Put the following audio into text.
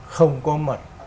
không có mặt